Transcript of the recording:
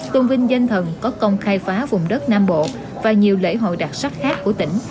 tôn vinh danh thần có công khai phá vùng đất nam bộ và nhiều lễ hội đặc sắc khác của tỉnh